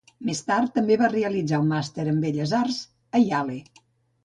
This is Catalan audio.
Més tard també va realitzar un màster en Belles Arts a Yale.